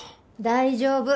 大丈夫。